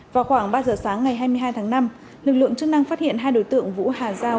vào khoảng ba giờ sáng ngày hai mươi hai tháng năm lực lượng chức năng phát hiện hai đối tượng vũ hà giang